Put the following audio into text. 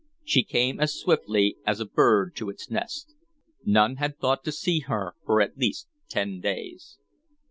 She came as swiftly as a bird to its nest. None had thought to see her for at least ten days.